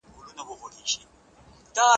یو چاغ سړي په سکروټو باندې د غوښو ټوټې پخولې.